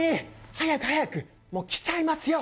早く早くもう来ちゃいますよ！